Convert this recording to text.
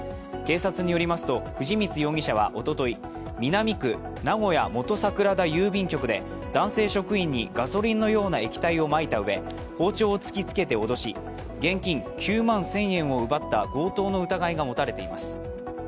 警察によりますと藤光容疑者はおととい、南区・名古屋元桜田郵便局で男性職員にガソリンのような液体をまいたうえ包丁を突きつけて脅し、現金９万１０００を奪った強盗の疑いが持たれています。